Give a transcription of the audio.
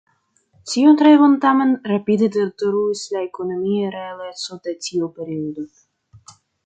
Tiun revon tamen rapide detruis la ekonomia realeco de tiu periodo.